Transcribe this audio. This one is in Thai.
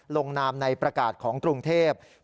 ลงนามในประกาศของกรุงเทพมหานคร